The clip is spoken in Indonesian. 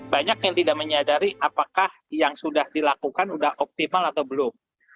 banyak yang tidak menyadari apakah yang sudah dilakukan sudah optimal atau belum